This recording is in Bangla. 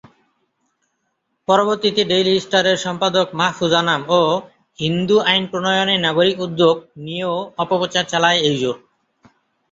পরবর্তীতে ডেইলি স্টারের সম্পাদক মাহফুজ আনাম ও "হিন্দু আইন প্রণয়নে নাগরিক উদ্যোগ" নিয়েও অপপ্রচার চালায় এই জোট।